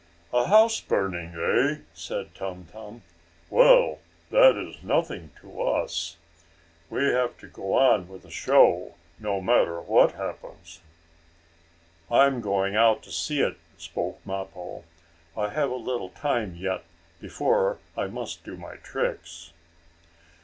"A house burning, eh?" said Tum Tum. "Well, that is nothing to us. We have to go on with the show, no matter what happens." "I'm going out to see it," spoke Mappo. "I have a little time yet before I must do my tricks."